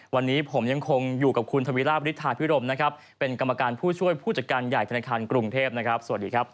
วันนี้ผมยังคงอยู่กับคุณทวีราบฤทธาพิรมนะครับเป็นกรรมการผู้ช่วยผู้จัดการใหญ่ธนาคารกรุงเทพนะครับสวัสดีครับ